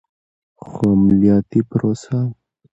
خو عملیاتي پروسه